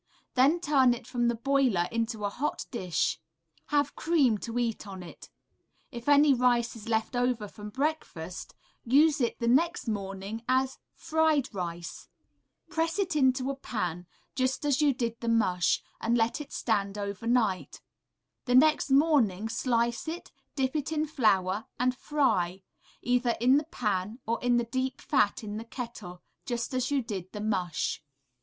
Then turn it from the boiler into a hot dish, and cover. Have cream to eat on it. If any rice is left over from breakfast, use it the next morning as Fried Rice Press it into a pan, just as you did the mush, and let it stand overnight; the next morning slice it, dip it in flour, and fry, either in the pan or in the deep fat in the kettle, just as you did the mush.